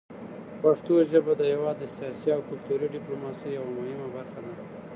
پښتو ژبه د هېواد د سیاسي او کلتوري ډیپلوماسۍ یوه مهمه برخه ده.